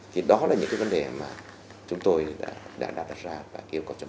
thì đó là những cái vấn đề mà chúng tôi đã